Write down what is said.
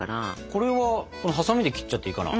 これはハサミで切っちゃっていいかな？